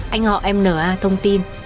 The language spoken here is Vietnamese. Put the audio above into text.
anh họ em n a thông tin